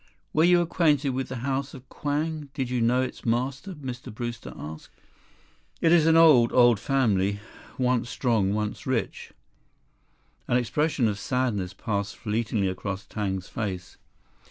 "Were you acquainted with the House of Kwang? Did you know its master?" Mr. Brewster asked. "It is an old, old family, once strong, once rich." An expression of sadness passed fleetingly across Tang's face.